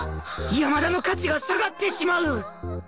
山田の価値が下がってしまう